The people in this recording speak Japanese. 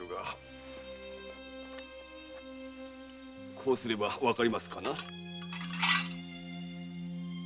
こうすればわかりますかな？